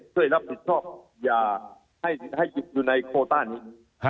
ช่วยรับผิดชอบอย่าให้อยู่ในโคต้านี้